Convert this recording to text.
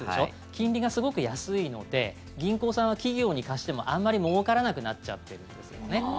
金利がすごく安いので銀行さんは企業に貸してもあんまりもうからなくなっちゃってるんですよね。